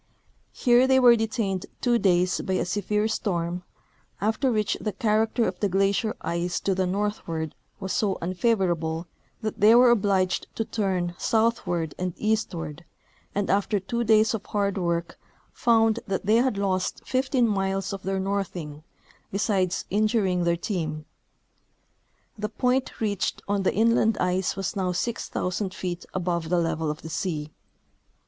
Here they w^ere detained two days by a severe storm, after which the character of the glacier ice to the northward was so unfavorable that they were obliged to turn southward and eastward, and after tAvo days of hard Avork found that they had lost 15 miles of their northing, besides injuring their team. The point reached on the inland ice Avas noAV 6,000 feet above the level of the sea.